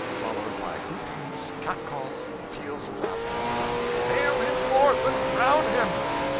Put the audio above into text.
followed by hootings, cat calls, and peals of laughter. "Hale him forth, and crown him!"